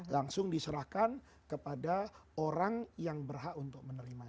langsung diserahkan kepada orang yang berhak untuk menerima